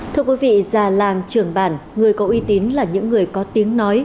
thưa quý vị già làng trưởng bản người có uy tín là những người có tiếng nói